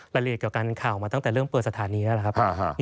รายละเอียดเกี่ยวกับการข่าวมาตั้งแต่เรื่องเปิดสถานีนะครับ